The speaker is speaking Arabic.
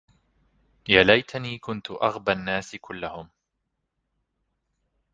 يا ليتني كنت أغبى الناس كلهم